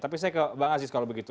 tapi saya ke bang aziz kalau begitu